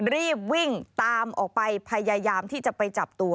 รีบวิ่งตามออกไปพยายามที่จะไปจับตัว